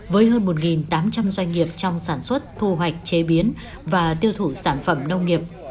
với hơn một tám trăm linh doanh nghiệp trong sản xuất thu hoạch chế biến và tiêu thụ sản phẩm nông nghiệp